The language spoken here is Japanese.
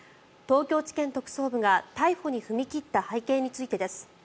東京地検特捜部が逮捕に踏み切った背景についてです。